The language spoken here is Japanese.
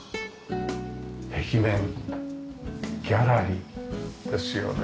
壁面ギャラリーですよね。